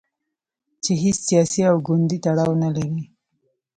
چې هیڅ سیاسي او ګوندي تړاو نه لري.